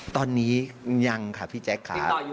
ตอนนี้ยังค่ะพี่แจ๊คค่ะ